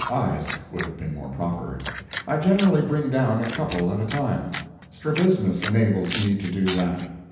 Eyes, would have been more proper. I generally bring down a couple at a time. Strabismus enables me to do that.